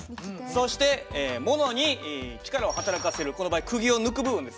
そして物に力を働かせるこの場合くぎを抜く部分ですね。